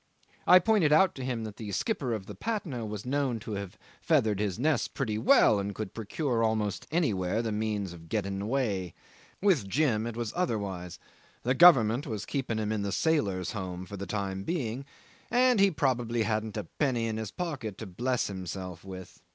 I pointed out to him that the skipper of the Patna was known to have feathered his nest pretty well, and could procure almost anywhere the means of getting away. With Jim it was otherwise: the Government was keeping him in the Sailors' Home for the time being, and probably he hadn't a penny in his pocket to bless himself with.